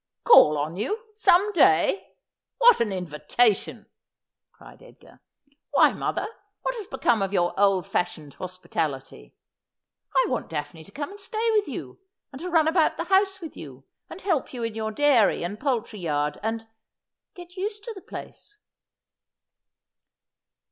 ' Call on you — some day ! What an invitation !' cried Edgar. ' Why, mother, what has become of your old fashioned hospi tality ? I want Daphne to come and stay with you, and to run about the house with you, and help you in your dairy and poultry yard — and — get used to the place.'